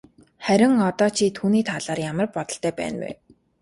Харин одоо чи түүний талаар ямар бодолтой байна вэ?